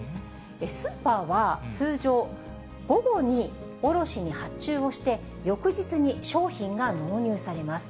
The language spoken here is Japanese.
スーパーは通常、午後に卸に発注をして、翌日に商品が納入されます。